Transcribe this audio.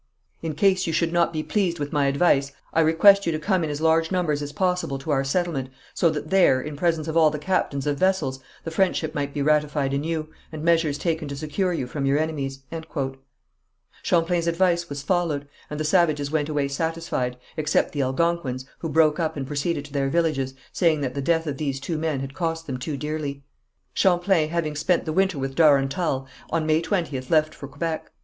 In case you should not be pleased with my advice, I request you to come in as large numbers as possible, to our settlement, so that there, in presence of all the captains of vessels, the friendship might be ratified anew, and measures taken to secure you from your enemies." Champlain's advice was followed, and the savages went away satisfied, except the Algonquins, who broke up and proceeded to their villages, saying that the death of these two men had cost them too dearly. Champlain having spent the winter with Darontal, on May 20th left for Quebec.